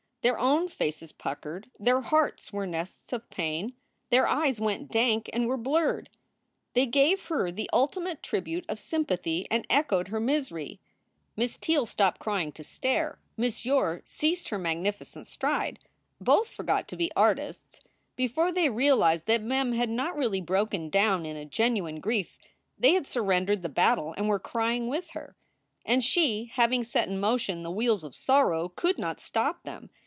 Their own faces puckered, their hearts were nests of pain, their eyes went dank and were blurred. They gave her the ultimate tribute of sympathy and echoed her misery. Miss Teele stopped crying to stare. Miss Yore ceased her magnificent stride. Both forgot to be artists. Before they realized that Mem had not really broken down in a genuine grief they had surrendered the battle and were crying with her. And she, having set in motion the wheels of sorrow, could not stop them.